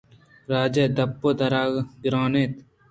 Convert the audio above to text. راجےءِ دپ ءِ دارگ گرٛان اِنت